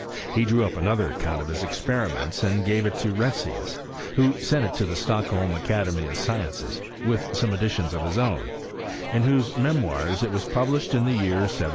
He drew up another account of his experiments and gave it to Retzius, who sent it to the Stockholm Academy of Sciences (with some additions of his own), in whose Memoirs it was published in the year 1770.